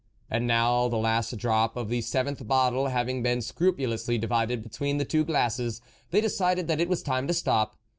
And now, the last drop of the seventh bottle having been scrupulously divided between the two glasses, they decided that it was time to stop.